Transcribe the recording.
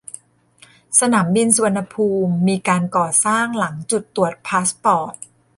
สนามบินสุรรณภูมิมีการก่อสร้างหลังจุดตรวจพาสปอร์ต